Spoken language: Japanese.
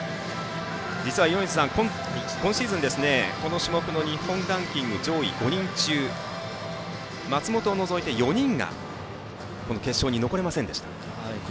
実は今シーズン、この種目の日本ランキング上位５人中松本を除いて４人が決勝に残れませんでした。